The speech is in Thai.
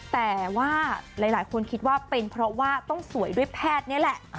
แต่ว่าหลายคนคิดว่าเป็นเพราะว่าต้องสวยด้วยแพทย์นี่แหละ